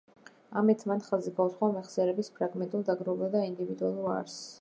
ამით მან ხაზი გაუსვა მეხსიერების ფრაგმენტულ, დაგროვილ და ინდივიდუალურ არსს.